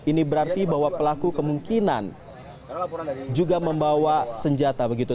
ini berarti bahwa pelaku kemungkinan juga membawa senjata begitu